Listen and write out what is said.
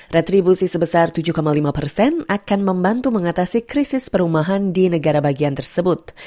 retribusi sebesar tujuh lima persen akan membantu mengatasi krisis perumahan di negara bagian tersebut